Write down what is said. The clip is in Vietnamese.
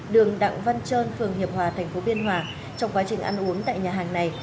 đường đặng văn trơn phường hiệp hòa tp biên hòa trong quá trình ăn uống tại nhà hàng này